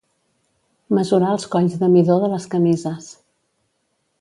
Mesurar els colls de midó de les camises.